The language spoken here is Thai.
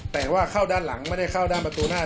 แต่ว่าเข้าด้านหลังไม่ได้เข้าด้านประตูหน้า